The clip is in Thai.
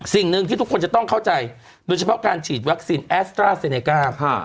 สิ่งหนึ่งที่ทุกคนจะต้องเข้าใจโดยเฉพาะการฉีดวัคซีนแอสตราเซเนก้า